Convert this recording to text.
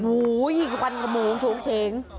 อุ้ยอีกวันกระโมงโชคเชง